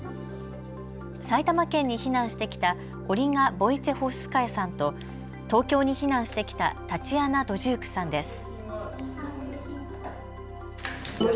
埼玉県に避難してきたオリガ・ボイツェホフスカヤさんと東京に避難してきたタチアナ・ドジュークさんです。